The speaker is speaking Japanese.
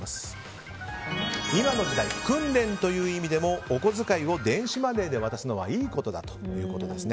今の時代、訓練という意味でもお小遣いを電子マネーで渡すのはいいことだということです。